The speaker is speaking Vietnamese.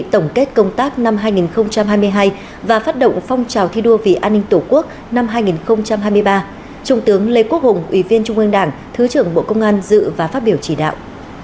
trung tướng nguyễn duy ngọc ủy viên trung ương đảng thứ trưởng bộ công an dự và phát biểu chỉ đạo